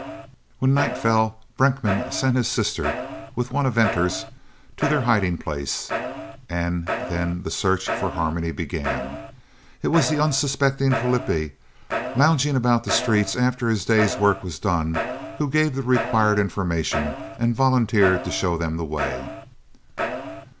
When night fell Brenckmann sent his sister, with one of Venter's, to their hiding place, and then the search for Harmony began. It was the unsuspecting Flippie, lounging about the streets after his day's work was done, who gave the required information and volunteered to show them the way.